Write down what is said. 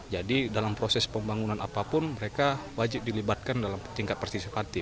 jadi dalam proses pembangunan apapun mereka wajib dilibatkan dalam tingkat persisifatif